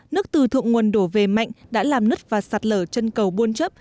nước từ thượng nguồn đổ về mạnh đã làm nứt và sạt lở chân cầu buôn chấp